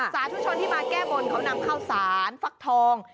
สาธุชนที่มาแก้บนเขานำข้าวสารฟักทอง